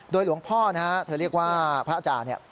หลวงพ่อนะฮะเธอเรียกว่าพระอาจารย์เนี่ย